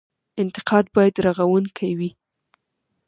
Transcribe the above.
انتقاد باید رغونکی وي